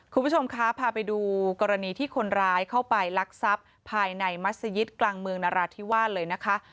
คุณผู้ชมคะพาไปดูกรณีที่คนร้ายเข้าไปลักทรัพย์ภายในมัศยิตกลางเมืองนราธิวาสเลยนะคะ